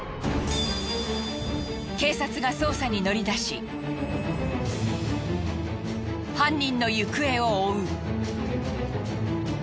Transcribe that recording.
警察が捜査に乗り出し犯人の行方を追う。